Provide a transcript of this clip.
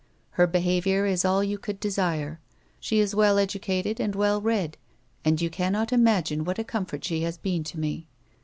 Her behaviour is all you could desire ; she is well educated and well read and vou cannot imaeine what a comfort she has been to me.